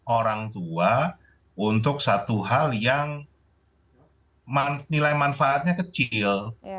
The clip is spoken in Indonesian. orang tua untuk satu hal yang nilai manfaatnya kecil